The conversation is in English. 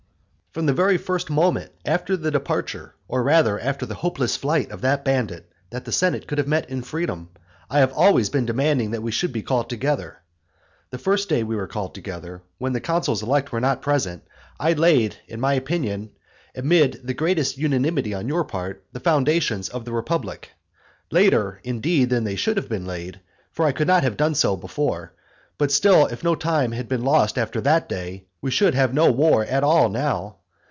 From the very first moment after the departure, or rather after the hopeless flight of that bandit, that the senate could have met in freedom, I have always been demanding that we should be called together. The first day that we were called together, when the consuls elect were not present, I laid, in my opinion, amid the greatest unanimity on your part, the foundations of the republic, later, indeed, than they should have been laid, for I could not do so before, but still if no time had been lost after that day, we should have no war at all now.